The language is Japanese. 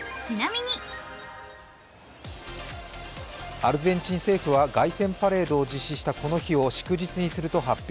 アルゼンチン政府は凱旋パレードを実施したこの日を祝日にすると発表。